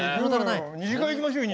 ２次会いきましょうよ。